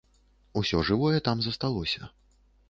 Усё жывое там засталося.